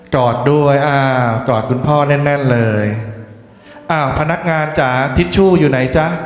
อดด้วยอ่ากอดคุณพ่อแน่นแน่นเลยอ้าวพนักงานจ๋าทิชชู่อยู่ไหนจ๊ะ